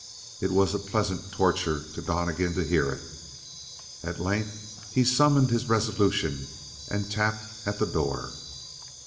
It was a pleasant torture to Donnegan to hear it. At length he summoned his resolution and tapped at the door.